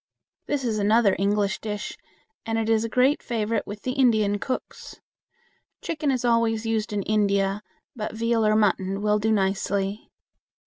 This is another English dish, and is a great favorite with the Indian cooks. Chicken is always used in India, but veal or mutton will do nicely.